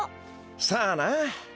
さあな。